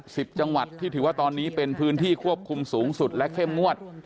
จังหวัดที่ถือว่าตอนนี้เป็นพื้นที่ควบคุมสูงสุดและเข้มงวด